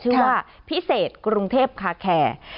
ชื่อว่าพิเศษกรุงเทพคาแคร์